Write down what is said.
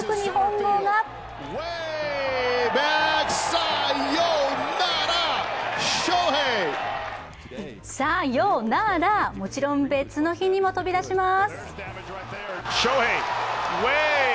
もちろん別の日にも飛び出します